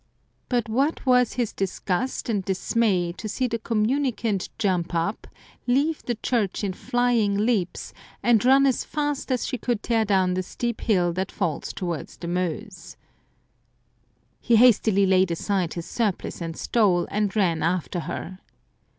But what was his disgust and dismay to see the communicant jump up, leave the church in flying leaps, and run as fast as she could tear down the steep hill that falls towards the Meuse. 200 Some Crazy Saints He hastily laid aside his surplice and stole, and ran after her.